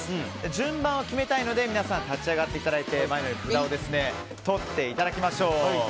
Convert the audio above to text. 順番を決めたいので皆さん、立ち上がって札をとっていただきましょう。